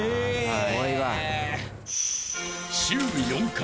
すごいわ。